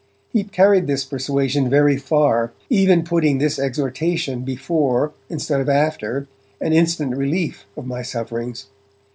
He carried this persuasion very far, even putting this exhortation before, instead of after, an instant relief of my sufferings.